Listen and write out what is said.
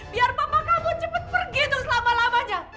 biar mama kamu cepet pergi tuh selama lamanya